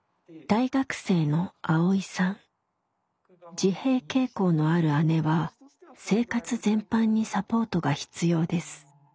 自閉傾向のある姉は生活全般にサポートが必要です。